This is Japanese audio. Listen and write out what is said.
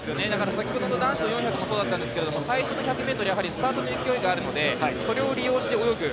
先ほどの男子の４００もそうだったんですが最初の１００ｍスタートの勢いがあるのでそれを利用して泳ぐ。